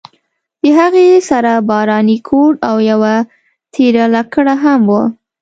د هغې سره باراني کوټ او یوه تېره لکړه هم وه.